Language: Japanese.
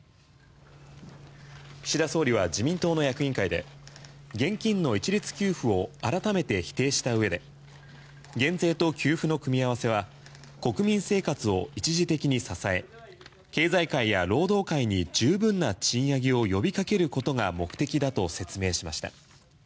岸田総理は自民党の役員会で現金の一律給付を改めて否定した上で減税と給付の組み合わせは国民生活を一時的に支え経済界や労働界に十分な賃上げを呼びかけることが目的だと説明しました。